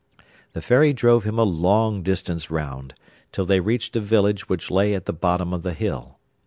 The Fairy drove him a long distance round, till they reached a village which lay at the bottom of the hill.